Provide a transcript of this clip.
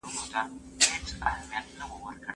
مــروره در څه نـه يمـه نقيـبـه